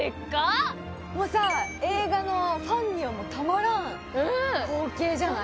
もうさ映画のファンにはたまらん光景じゃない？